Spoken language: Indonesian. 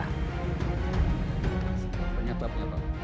komite nasional keselamatan transportasi